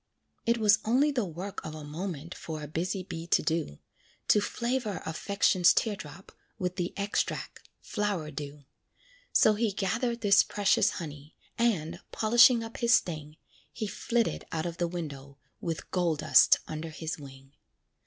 It was only the work of a moment For a busy bee to do, To flavor affections tear drop With the extract, "flower dew." So he gathered this precious honey, And, polishing up his sting, He flitted out of the window, With gold dust under his wing.